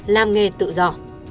làm nghề tự do